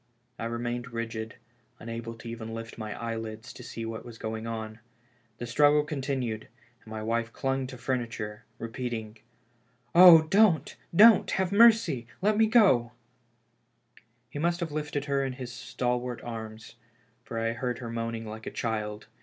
I remained rigid, unable even to lift my eyelid^ to see what was going on. The struggle continued, and my wife clung to the furniture, repeating : "Oh, don't, don't ! Have mercy I Let m.e go !" 260 THE FUNERAL. He must have lifted her in his stalwart arms, for I heard her moaning like a child.